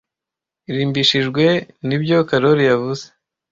irimbishijwe nibyo Karoli yavuze